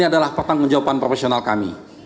ini adalah pertanggung jawaban profesional kami